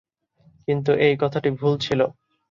কিন্তু এই কথাটি ভুল ছিল।